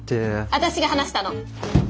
私が話したの。